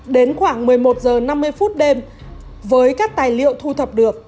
đến khoảng một mươi một h năm mươi phút đêm với các tài liệu thu thập được